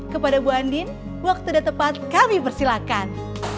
kepada ibu andini waktu yang tepat kami persilakan